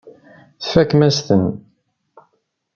Tfakem-as-ten.